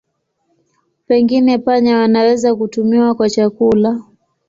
Pengine panya wanaweza kutumiwa kwa chakula.